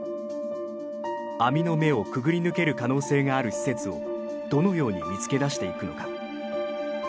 網の目をくぐり抜ける可能性がある施設をどのように見つけ出していくのか。